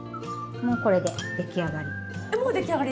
もうこれで出来上がりです。